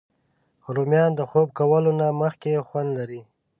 رومیان د خوب کولو نه مخکې خوند لري